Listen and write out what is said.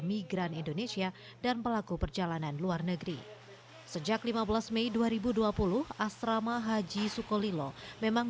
migran indonesia dan pelaku perjalanan luar negeri sejak lima belas mei dua ribu dua puluh asrama haji sukolilo memang